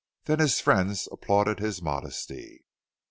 Then his friends applauded his modesty.